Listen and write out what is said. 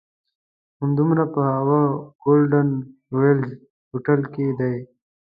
همدومره په هغه "ګولډن والز" هوټل کې دي.